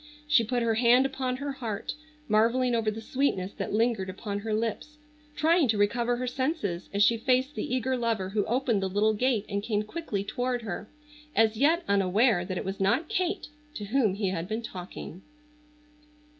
She put her hand upon her heart, marvelling over the sweetness that lingered upon her lips, trying to recover her senses as she faced the eager lover who opened the little gate and came quickly toward her, as yet unaware that it was not Kate to whom he had been talking.